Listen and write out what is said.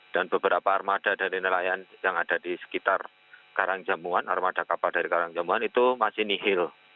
dan beberapa armada dari nelayan yang ada di sekitar karangjamuan armada kapal dari karangjamuan itu masih nihil